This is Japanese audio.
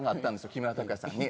木村拓哉さんに。